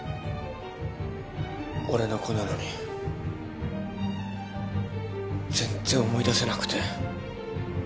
俺の子なのに全然思い出せなくて。